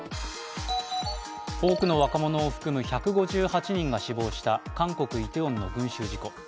多くの若者を含む１５８人が死亡した韓国イテウォンの群集事故。